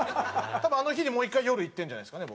多分あの日にもう１回夜行ってるんじゃないですかね。